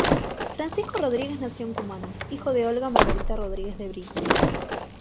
Francisco Rodríguez nació en Cumana, hijo de Olga Margarita Rodríguez de Brito.